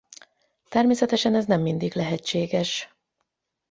Természetesen ez nem mindig lehetséges.